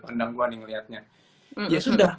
rendang gue nih ngelihatnya ya sudah